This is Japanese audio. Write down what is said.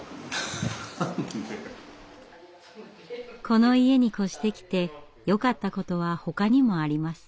この家に越してきてよかったことはほかにもあります。